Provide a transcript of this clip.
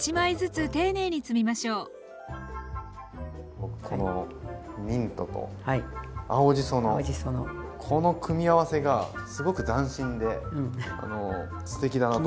僕このミントと青じその組み合わせがすごく斬新ですてきだなと思って。